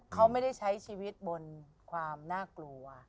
ของชีวิตบนความน่ากลัว